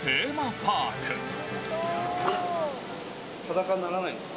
裸にならないんですか？